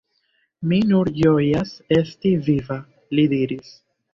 Mi nur ĝojas esti viva, – li diris.